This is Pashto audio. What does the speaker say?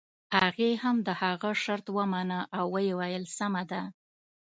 هغې هم د هغه شرط ومانه او ويې ويل سمه ده.